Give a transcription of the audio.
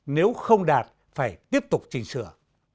nếu không đạt phải tiếp tục chỉnh sửa